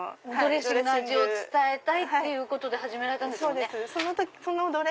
ドレッシングの味を伝えたいって始められたんですもんね。